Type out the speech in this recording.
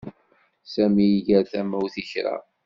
Sami iger tamawt i kra.